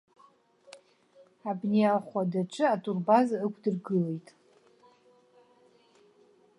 Абни ахәадаҿы атурбаза ықәдыргылоит.